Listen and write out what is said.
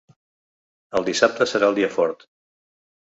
El dissabte serà el dia fort.